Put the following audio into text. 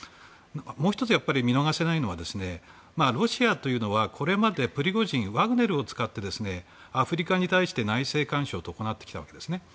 もう１つ、見逃せないのはロシアというのはこれまでプリゴジン、ワグネルを使ってアフリカに対して内政干渉を行ってきたわけですね。